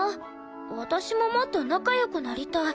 私ももっと仲良くなりたい。